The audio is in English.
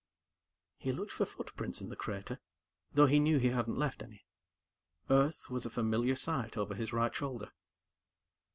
He looked for footprints in the crater, though he knew he hadn't left any. Earth was a familiar sight over his right shoulder.